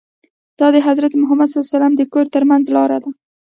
دا د حضرت محمد ص د کور ترمنځ لاره ده.